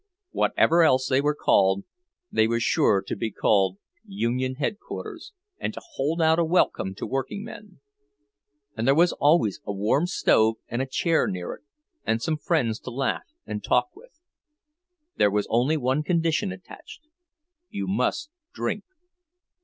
Whatever else they were called, they were sure to be called "Union Headquarters," and to hold out a welcome to workingmen; and there was always a warm stove, and a chair near it, and some friends to laugh and talk with. There was only one condition attached,—you must drink.